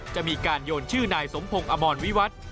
จะมีการโยนชื่อนายสมพงศ์อมรวิวัตร